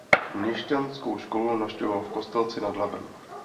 Měšťanskou školu navštěvoval v Kostelci nad Labem.